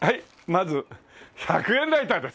まず１００円ライターです。